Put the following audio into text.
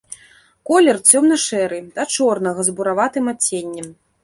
Колер цёмна-шэры да чорнага з бураватым адценнем.